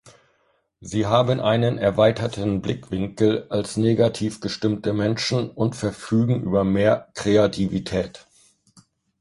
Sie haben einen erweiterten Blickwinkel als negativ gestimmte Menschen und verfügen über mehr Kreativität.